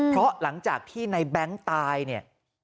เพราะหลังจากที่ในแบงค์ตายเนี่ย